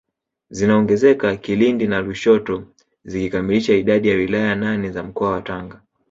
zinaongezeka Kilindi na Lushoto zikikamilisha idadi ya wilaya nane za mkoa wa Tanga